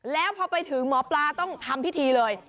แล้วพอไปถึงหมอปลาต้องทำพิธีเลย